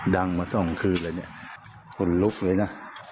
ดังมาสองคืนเลยเนี่ยคนลุกเลยนะ